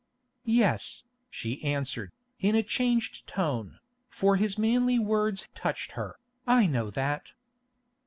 "Yes," she answered, in a changed tone, for his manly words touched her, "I know that."